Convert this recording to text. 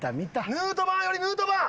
ヌートバーよりヌートバー。